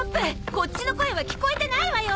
こっちの声は聞こえてないわよ！